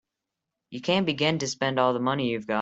You can't begin to spend all the money you've got.